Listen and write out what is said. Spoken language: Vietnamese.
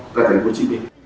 tại thành phố hồ chí minh